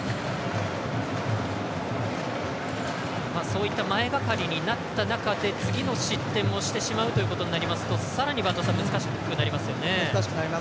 そういった前がかりになった中で次の失点をしてしまうということになるとさらに難しくなりますよね。